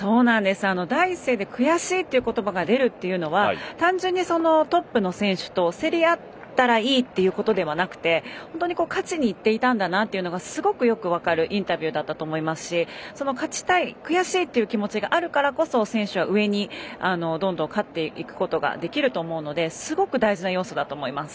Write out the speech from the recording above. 第一声で悔しいという言葉が出るというのは単純にトップの選手と競り合ったらいいということではなくて本当に勝ちにいっていたんだなというのがすごくよく分かるインタビューだったと思いますし勝ちたい、悔しいという気持ちがあるからこそ、選手は上にどんどん勝っていくことができると思うのですごく大事な要素だと思います。